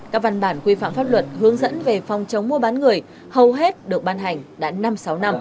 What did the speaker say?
các văn bản quy phạm pháp luật hướng dẫn về phòng chống mua bán người hầu hết được ban hành đã năm sáu năm